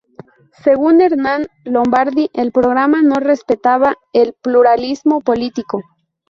Según Hernán Lombardi el programa no respetaba el pluralismo político.